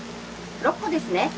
６個ですね。